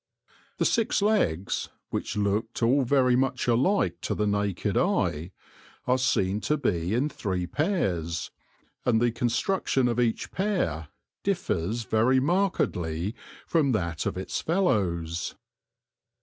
The six legs, which looked all very much alike to the naked eye, are seen to be in three pairs, and the construction of each pair differs very markedly from that of its fellows.